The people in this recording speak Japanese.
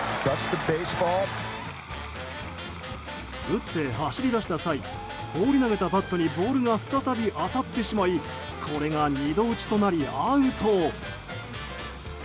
打って走り出した際放り投げたバットにボールが再び当たってしまいこれが２度打ちとなり、アウト。